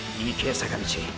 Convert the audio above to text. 坂道